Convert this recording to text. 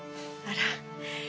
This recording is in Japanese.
あら。